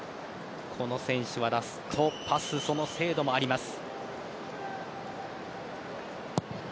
この選手はラストパスその精度もあります。